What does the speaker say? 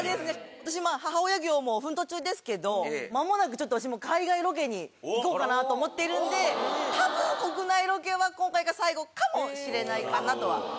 私母親業も奮闘中ですけどまもなくちょっと私も海外ロケに行こうかなと思っているんでたぶん国内ロケは今回が最後かもしれないかなとは。